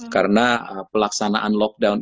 karena pelaksanaan lockdown